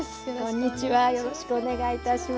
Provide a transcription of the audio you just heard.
こんにちはよろしくお願いいたします。